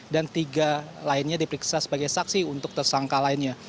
dan tiga lainnya diperiksa sebagai saksi untuk tersangka lainnya